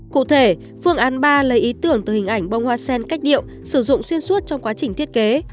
cụ thể phương án ba lấy ý tưởng từ hình ảnh bông hoa sen cách điệu sử dụng xuyên suốt trong quá trình thiết kế